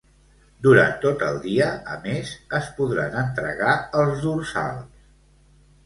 Durant tot el dia, a més, es podran entregar els dorsals.